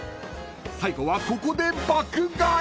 ［最後はここで爆買い！］